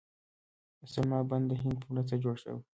سلما بند د هند په مرسته جوړ شو